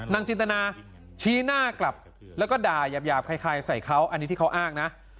จินตนาชี้หน้ากลับแล้วก็ด่ายาบคล้ายใส่เขาอันนี้ที่เขาอ้างนะ